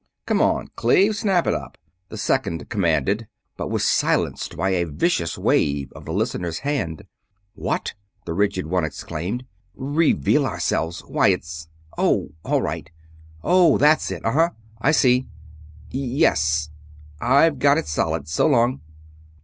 "Come on, Cleve snap it up!" the second commanded, but was silenced by a vicious wave of the listener's hand. "What!" the rigid one exclaimed. "Reveal ourselves! Why, it's.... Oh, all right.... Oh, that's it ... uh huh ... I see ... yes, I've got it solid. So long!"